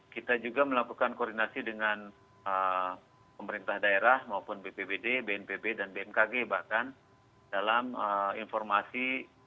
kita juga melakukan koordinasi dengan pemerintah daerah maupun bpbd bnpb dan bmkg bahkan dalam informasi